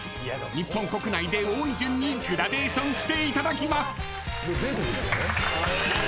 ［日本国内で多い順にグラデーションしていただきます］